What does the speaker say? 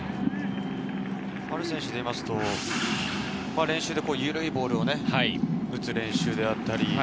丸選手でいうと、練習でゆるいボールを打つ練習であったり。